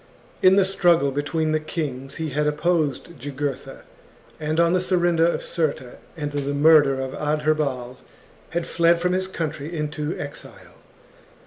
In the struggle between the kings he had chap. opposed Jugurtha, and, on the surrender of Cirta and murder of Adherbal, had fled from his country into exile.